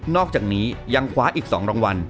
อกจากนี้ยังคว้าอีก๒รางวัล